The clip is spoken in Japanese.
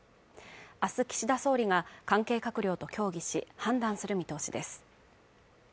あす岸田総理が関係閣僚と協議し判断する見通しです